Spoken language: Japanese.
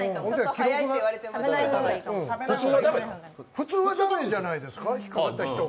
普通はダメじゃないですか、引っ掛かった人は。